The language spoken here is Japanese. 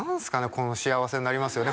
この幸せになりますよね